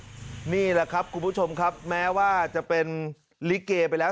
นี่แหละครับคุณผู้ชมครับแม้ว่าจะเป็นลิเกไปแล้ว